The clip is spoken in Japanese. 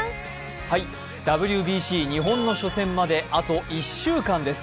ＷＢＣ日本の初戦まで、あと１週間です。